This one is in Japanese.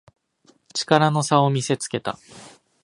力の差を見せつけた